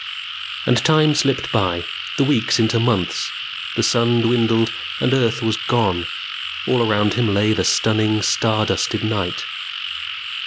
And time slipped by, the weeks into months; the sun dwindled and earth was gone. All around him lay the stunning star dusted night.